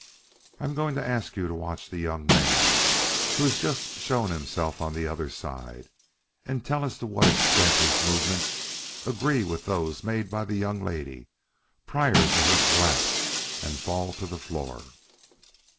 "I am going to ask you to watch the young man who has just shown himself on the other side, and tell us to what extent his movements agree with those made by the young lady prior to her collapse and fall to the floor."